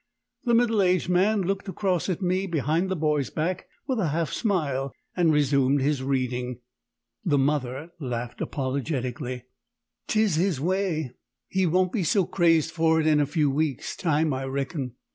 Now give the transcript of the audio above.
The middle aged man looked across at me behind the boy's back with half a smile and resumed his reading. The mother laughed apologetically "'Tis his way. He won't be so crazed for it in a few weeks' time, I reckon.